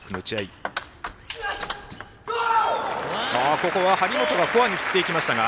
ここは張本がフォアに振っていきましたが。